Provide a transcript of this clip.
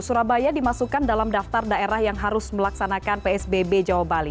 surabaya dimasukkan dalam daftar daerah yang harus melaksanakan psbb jawa bali